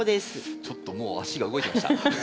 ちょっともう足が動いてました。